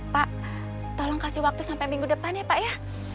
pak tolong kasih waktu sampai minggu depan ya pak ya